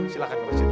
silahkan ke masjid